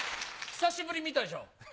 久しぶり見たでしょ？